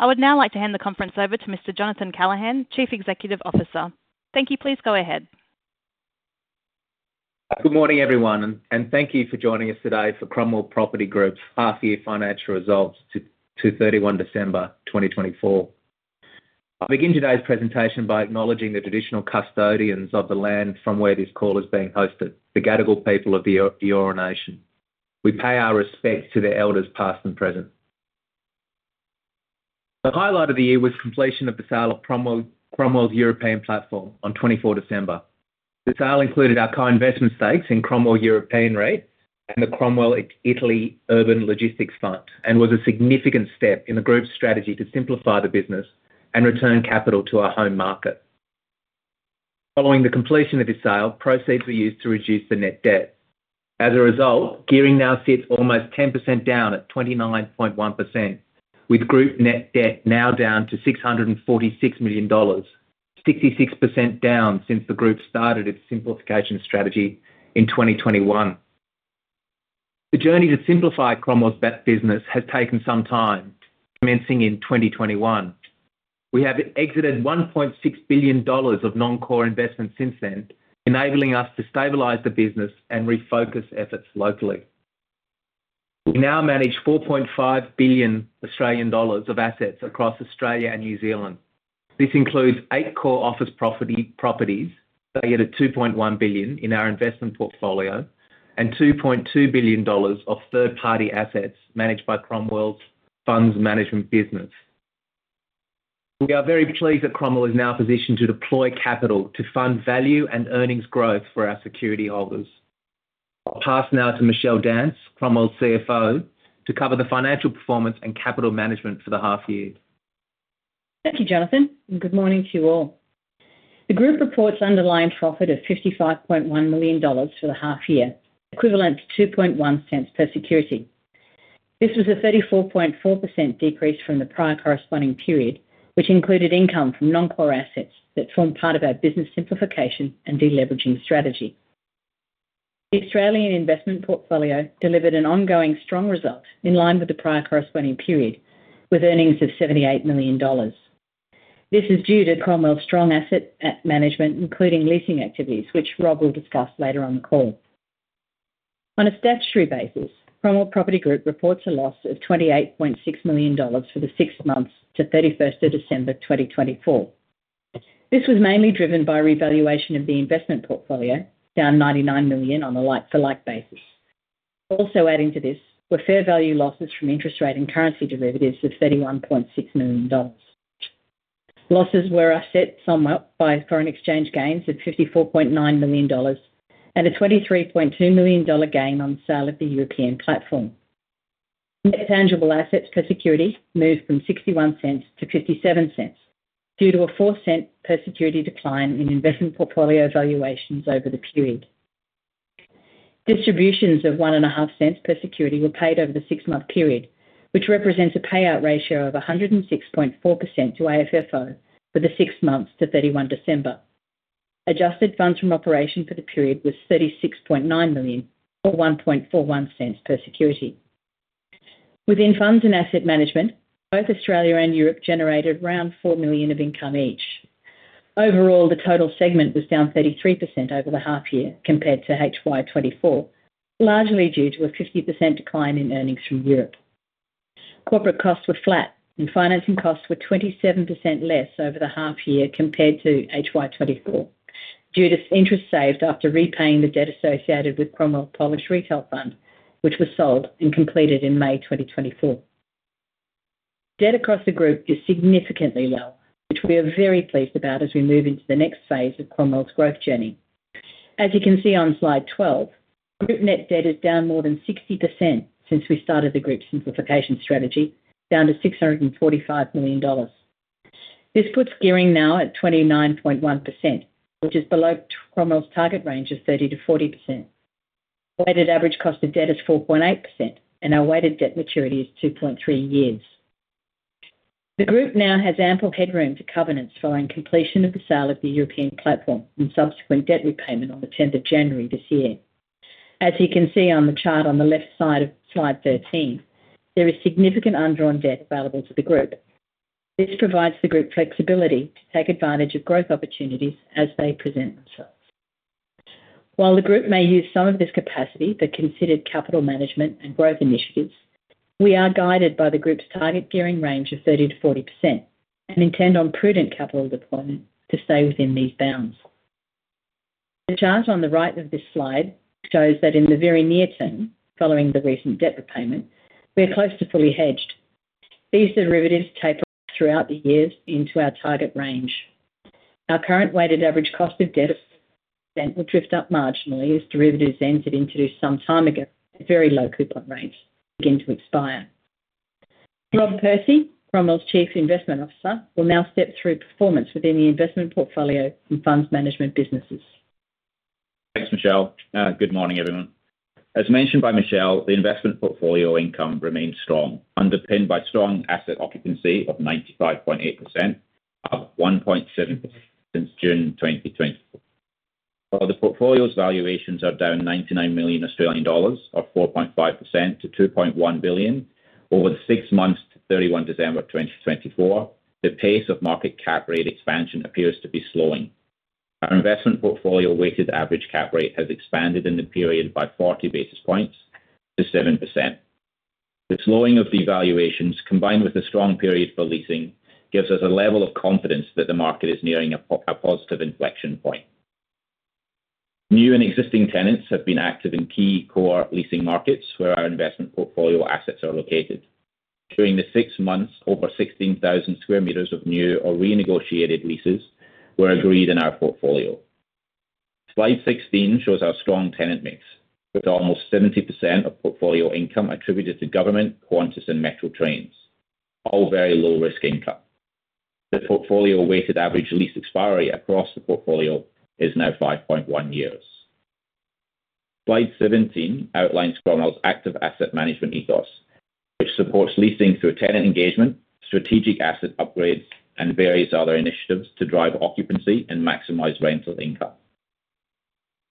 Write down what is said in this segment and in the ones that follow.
I would now like to hand the conference over to Mr. Jonathan Callaghan, Chief Executive Officer. Thank you, please go ahead. Good morning, everyone, and thank you for joining us today for Cromwell Property Group's half-year financial results to 31 December 2024. I begin today's presentation by acknowledging the traditional custodians of the land from where this call is being hosted, the Gadigal people of the Eora Nation. We pay our respects to their elders past and present. The highlight of the year was completion of the sale of Cromwell's European platform on 24 December. The sale included our co-investment stakes in Cromwell European REIT and the Cromwell Italy Urban Logistics Fund, and was a significant step in the group's strategy to simplify the business and return capital to our home market. Following the completion of this sale, proceeds were used to reduce the net debt. As a result, gearing now sits almost 10% down at 29.1%, with group net debt now down to 646 million dollars, 66% down since the group started its simplification strategy in 2021. The journey to simplify Cromwell's business has taken some time, commencing in 2021. We have exited 1.6 billion dollars of non-core investment since then, enabling us to stabilize the business and refocus efforts locally. We now manage 4.5 billion Australian dollars of assets across Australia and New Zealand. This includes eight core office properties, ahead of 2.1 billion in our investment portfolio, and 2.2 billion dollars of third-party assets managed by Cromwell's funds management business. We are very pleased that Cromwell is now positioned to deploy capital to fund value and earnings growth for our security holders. I'll pass now to Michelle Dance, Cromwell CFO, to cover the financial performance and capital management for the half year. Thank you, Jonathan. Good morning to you all. The group reports underlying profit of 55.1 million dollars for the half year, equivalent to 0.21 per security. This was a 34.4% decrease from the prior corresponding period, which included income from non-core assets that form part of our business simplification and de-leveraging strategy. The Australian investment portfolio delivered an ongoing strong result in line with the prior corresponding period, with earnings of 78 million dollars. This is due to Cromwell's strong asset management, including leasing activities, which Rob will discuss later on the call. On a statutory basis, Cromwell Property Group reports a loss of AUD 28.6 million for the six months to 31 December 2024. This was mainly driven by revaluation of the investment portfolio, down 99 million on a like-for-like basis. Also adding to this were fair value losses from interest rate and currency derivatives of 31.6 million dollars. Losses were offset somewhat by foreign exchange gains of 54.9 million dollars and a 23.2 million dollar gain on the sale of the European platform. Net tangible assets per security moved from 0.61 to 0.57 due to a 0.04 per security decline in investment portfolio valuations over the period. Distributions of 0.01 per security were paid over the six-month period, which represents a payout ratio of 106.4% to AFFO for the six months to 31 December. Adjusted funds from operations for the period was 36.9 million, or 1.41 per security. Within funds and asset management, both Australia and Europe generated around 4 million of income each. Overall, the total segment was down 33% over the half year compared to HY24, largely due to a 50% decline in earnings from Europe. Corporate costs were flat, and financing costs were 27% less over the half year compared to HY24, due to interest saved after repaying the debt associated with Cromwell Polish Retail Fund, which was sold and completed in May 2024. Debt across the group is significantly low, which we are very pleased about as we move into the next phase of Cromwell's growth journey. As you can see on slide 12, group net debt is down more than 60% since we started the group simplification strategy, down to 645 million dollars. This puts gearing now at 29.1%, which is below Cromwell's target range of 30%-40%. Weighted average cost of debt is 4.8%, and our weighted debt maturity is 2.3 years. The group now has ample headroom to covenants following completion of the sale of the European platform and subsequent debt repayment on the 10th of January this year. As you can see on the chart on the left side of slide 13, there is significant undrawn debt available to the group. This provides the group flexibility to take advantage of growth opportunities as they present themselves. While the group may use some of this capacity for considered capital management and growth initiatives, we are guided by the group's target gearing range of 30% to 40% and intend on prudent capital deployment to stay within these bounds. The chart on the right of this slide shows that in the very near term, following the recent debt repayment, we are close to fully hedged. These derivatives taper off throughout the years into our target range. Our current weighted average cost of debt will drift up marginally as derivatives entered into some time ago at very low coupon rates begin to expire. Rob Percy, Cromwell's Chief Investment Officer, will now step through performance within the investment portfolio and funds management businesses. Thanks, Michelle. Good morning, everyone. As mentioned by Michelle, the investment portfolio income remains strong, underpinned by strong asset occupancy of 95.8%, up 1.7% since June 2024. While the portfolio's valuations are down $99 million of 4.5% to $2.1 billion over the six months to 31 December 2024, the pace of market cap rate expansion appears to be slowing. Our investment portfolio weighted average cap rate has expanded in the period by 40 basis points to 7%. The slowing of the valuations, combined with the strong period for leasing, gives us a level of confidence that the market is nearing a positive inflection point. New and existing tenants have been active in key core leasing markets where our investment portfolio assets are located. During the six months, over 16,000 square meters of new or renegotiated leases were agreed in our portfolio. Slide 16 shows our strong tenant mix, with almost 70% of portfolio income attributed to government, Qantas, and Metro Trains, all very low-risk income. The portfolio weighted average lease expiry across the portfolio is now 5.1 years. Slide 17 outlines Cromwell's active asset management ethos, which supports leasing through tenant engagement, strategic asset upgrades, and various other initiatives to drive occupancy and maximize rental income.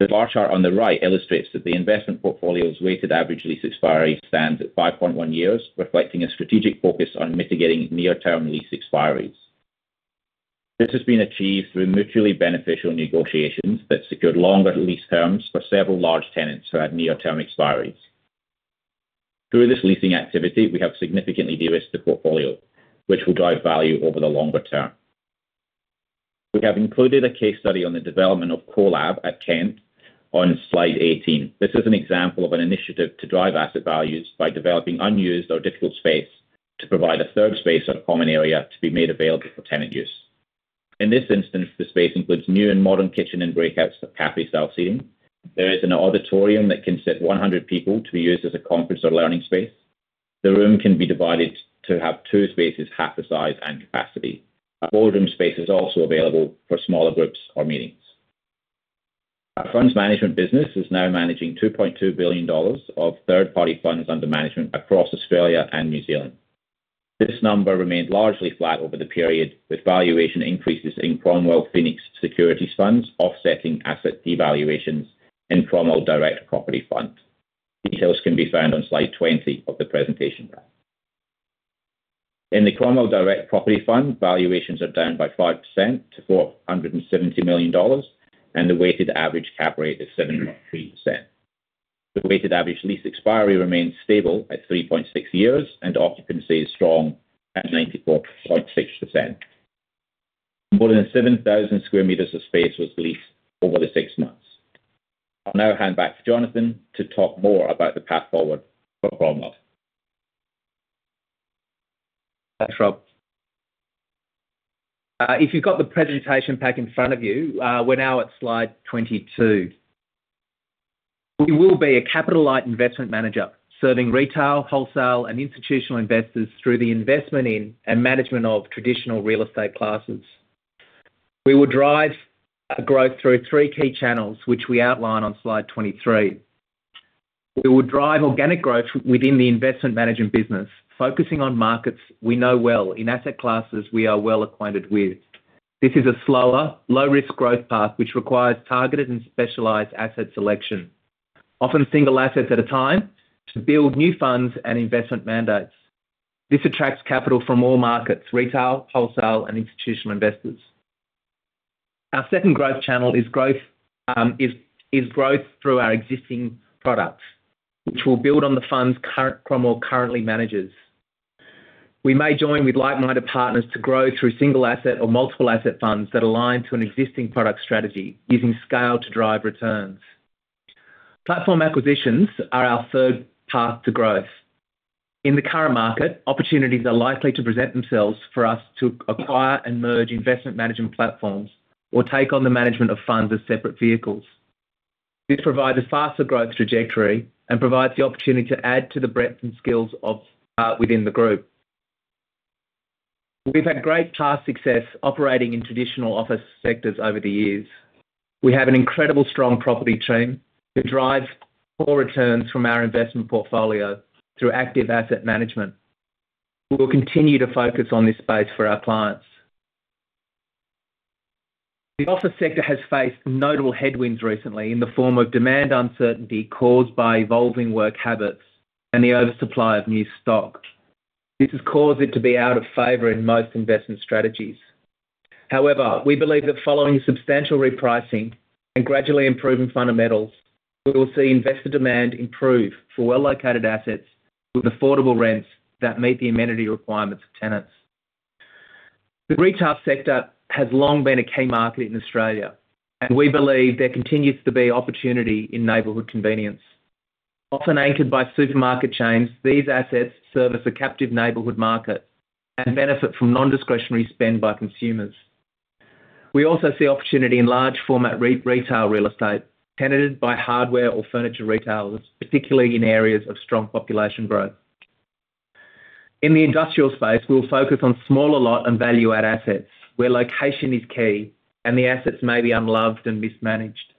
The bar chart on the right illustrates that the investment portfolio's weighted average lease expiry stands at 5.1 years, reflecting a strategic focus on mitigating near-term lease expiry. This has been achieved through mutually beneficial negotiations that secured longer lease terms for several large tenants who had near-term expiries. Through this leasing activity, we have significantly de-risked the portfolio, which will drive value over the longer term. We have included a case study on the development of CoLab at Kent on slide 18. This is an example of an initiative to drive asset values by developing unused or difficult space to provide a third space or common area to be made available for tenant use. In this instance, the space includes new and modern kitchen and breakouts for café-style seating. There is an auditorium that can sit 100 people to be used as a conference or learning space. The room can be divided to have two spaces half the size and capacity. A folding space is also available for smaller groups or meetings. Our funds management business is now managing 2.2 billion dollars of third-party funds under management across Australia and New Zealand. This number remained largely flat over the period, with valuation increases in Cromwell Phoenix Securities Funds offsetting asset devaluations in Cromwell Direct Property Fund. Details can be found on slide 20 of the presentation pack. In the Cromwell Direct Property Fund, valuations are down by 5% to 470 million dollars, and the weighted average cap rate is 7.3%. The weighted average lease expiry remains stable at 3.6 years, and occupancy is strong at 94.6%. More than 7,000 sq m of space was leased over the six months. I'll now hand back to Jonathan to talk more about the path forward for Cromwell. Thanks, Rob. If you've got the presentation pack in front of you, we're now at slide 22. We will be a capital-light investment manager serving retail, wholesale, and institutional investors through the investment in and management of traditional real estate classes. We will drive growth through three key channels, which we outline on slide 23. We will drive organic growth within the investment management business, focusing on markets we know well in asset classes we are well acquainted with. This is a slower, low-risk growth path, which requires targeted and specialized asset selection, often single assets at a time, to build new funds and investment mandates. This attracts capital from all markets: retail, wholesale, and institutional investors. Our second growth channel is growth through our existing products, which will build on the funds Cromwell currently manages. We may join with like-minded partners to grow through single-asset or multiple-asset funds that align to an existing product strategy, using scale to drive returns. Platform acquisitions are our third path to growth. In the current market, opportunities are likely to present themselves for us to acquire and merge investment management platforms or take on the management of funds as separate vehicles. This provides a faster growth trajectory and provides the opportunity to add to the breadth and skills within the group. We've had great past success operating in traditional office sectors over the years. We have an incredibly strong property team who drive core returns from our investment portfolio through active asset management. We will continue to focus on this space for our clients. The office sector has faced notable headwinds recently in the form of demand uncertainty caused by evolving work habits and the oversupply of new stock. This has caused it to be out of favor in most investment strategies. However, we believe that following substantial repricing and gradually improving fundamentals, we will see investor demand improve for well-located assets with affordable rents that meet the amenity requirements of tenants. The retail sector has long been a key market in Australia, and we believe there continues to be opportunity in neighborhood convenience. Often anchored by supermarket chains, these assets serve as a captive neighborhood market and benefit from non-discretionary spend by consumers. We also see opportunity in large-format retail real estate tenanted by hardware or furniture retailers, particularly in areas of strong population growth. In the industrial space, we will focus on smaller lot and value-add assets, where location is key and the assets may be unloved and mismanaged.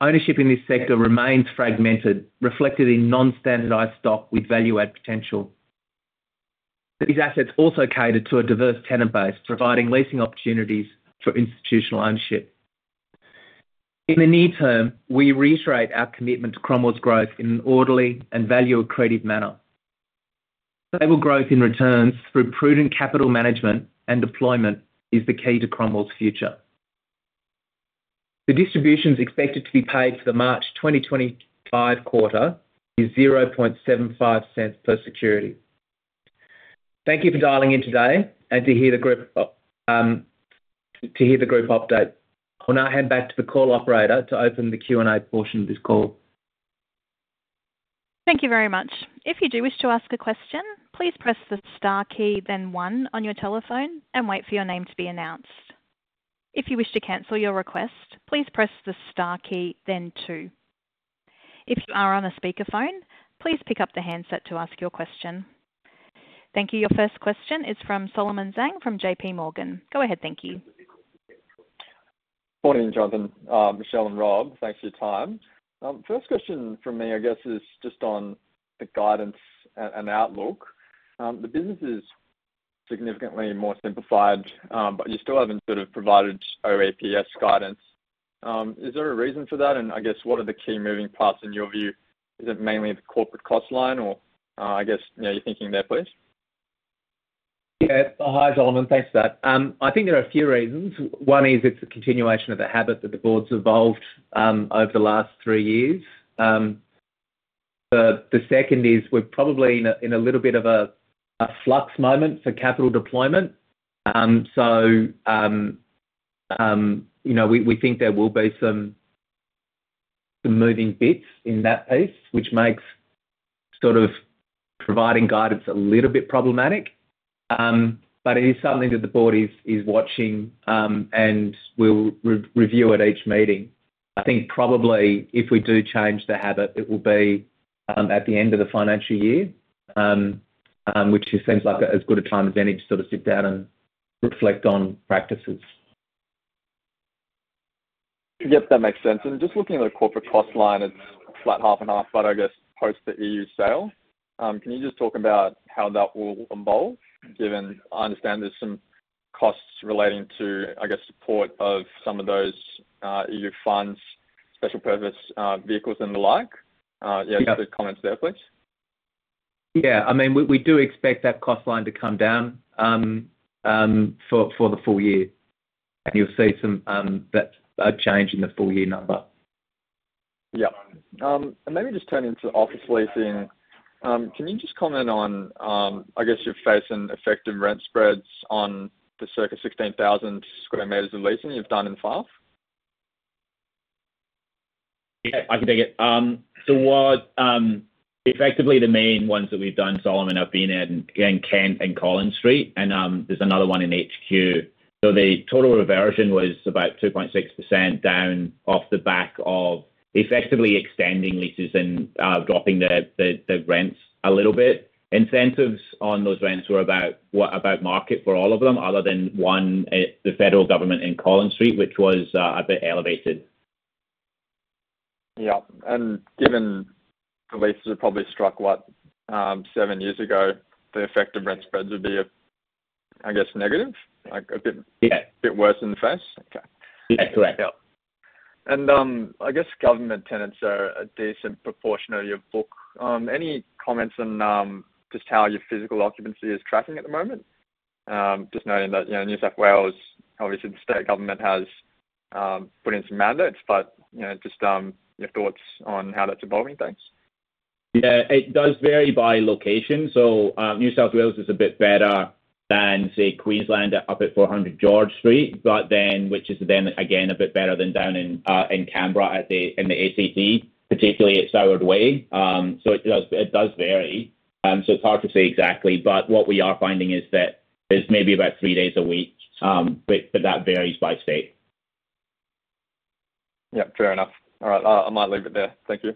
Ownership in this sector remains fragmented, reflected in non-standardized stock with value-add potential. These assets also cater to a diverse tenant base, providing leasing opportunities for institutional ownership. In the near term, we reiterate our commitment to Cromwell's growth in an orderly and value-accretive manner. Stable growth in returns through prudent capital management and deployment is the key to Cromwell's future. The distributions expected to be paid for the March 2025 quarter is 0.75 per security. Thank you for dialing in today and to hear the group update. I'll now hand back to the call operator to open the Q&A portion of this call. Thank you very much. If you do wish to ask a question, please press the star key, then one, on your telephone and wait for your name to be announced. If you wish to cancel your request, please press the star key, then two. If you are on a speakerphone, please pick up the handset to ask your question. Thank you. Your first question is from Solomon Zhang from J.P. Morgan. Go ahead. Thank you. Morning, Jonathan, Michelle, and Rob. Thanks for your time. First question from me, I guess, is just on the guidance and outlook. The business is significantly more simplified, but you still haven't provided OEPS guidance. Is there a reason for that? And I guess, what are the key moving parts in your view? Is it mainly the corporate cost line? Or I guess you're thinking there, please. Yeah, hi Solomon. Thanks for that. I think there are a few reasons. One is it's a continuation of the habit that the board's evolved over the last three years. The second is we're probably in a little bit of a flux moment for capital deployment. So we think there will be some moving bits in that piece, which makes sort of providing guidance a little bit problematic. But it is something that the board is watching and will review at each meeting. I think probably if we do change the habit, it will be at the end of the financial year, which seems like as good a time as any to sort of sit down and reflect on practices. Yep, that makes sense. And just looking at the corporate cost line, it's flat half and half, but I guess post the EU sale. Can you just talk about how that will unfold, given I understand there's some costs relating to, I guess, support of some of those EU funds, special purpose vehicles, and the like? Yeah, the comments there, please. Yeah. I mean, we do expect that cost line to come down for the full year, and you'll see some change in the full year number. Yeah. And maybe just turning to office leasing, can you just comment on, I guess, you're facing effective rent spreads on the circa 16,000 sq m of leasing you've done in the past? Yeah, I can take it. So effectively, the main ones that we've done, Solomon, have been at Kent Street and Collins Street, and there's another one in HQ. So the total reversion was about 2.6% down off the back of effectively extending leases and dropping the rents a little bit. Incentives on those rents were about market for all of them, other than one, the federal government in Collins Street, which was a bit elevated. Yep. And given the leases are probably struck what, seven years ago, the effective rent spreads would be, I guess, negative, a bit worse in the face. Okay. That's correct. Yeah. And I guess government tenants are a decent proportion of your book. Any comments on just how your physical occupancy is tracking at the moment? Just knowing that New South Wales, obviously, the state government has put in some mandates, but just your thoughts on how that's evolving, thanks. Yeah, it does vary by location. So New South Wales is a bit better than, say, Queensland up at 400 George Street, which is then, again, a bit better than down in Canberra in the ACT, particularly at Soward Way. So it does vary. So it's hard to say exactly, but what we are finding is that there's maybe about three days a week, but that varies by state. Yep, fair enough. All right. I might leave it there. Thank you.